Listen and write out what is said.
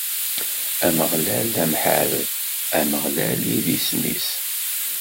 Ameɣlal d amḥareb, Ameɣlal i d isem-is.